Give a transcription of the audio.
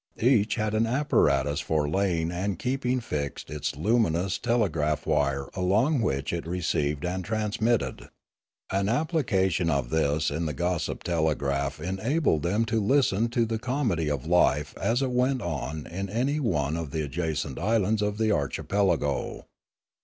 Each had an apparatus for laying and keeping fixed its luminous telegraph wire along which it re ceived and transmitted. An application of this in the gossip telegraph enabled them to listen to the comedy of life as it went on in any one of the adjacent islands of the archipelago.